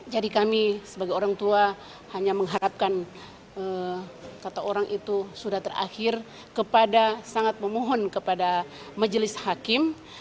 jadi kami sebagai orang tua hanya mengharapkan kata orang itu sudah terakhir kepada sangat memohon kepada majelis hakim